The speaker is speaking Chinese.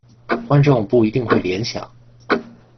观众不一定会联想。